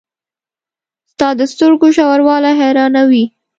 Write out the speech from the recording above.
• ستا د سترګو ژوروالی حیرانوي.